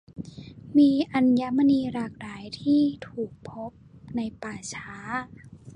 มีอัญมณีหลากหลายที่ถูกพบในป่าช้า